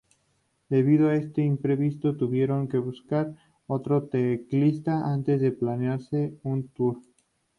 Debido a este imprevisto, tuvieron que buscar otro teclista antes de plantearse un "tour".